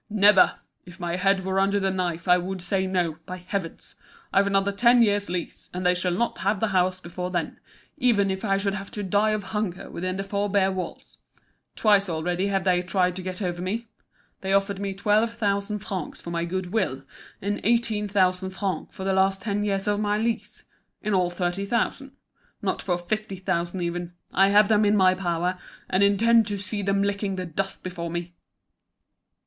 "Never! If my head were under the knife I would say no, by heavens! I've another ten years' lease, and they shall not have the house before then, even if I should have to die of hunger within the four bare walls. Twice already have they tried to get over me. They offered me twelve thousand francs for my good will, and eighteen thousand francs for the last ten years of my lease; in all thirty thousand. Not for fifty thousand even! I have them in my power, and intend to see them licking the dust before me!"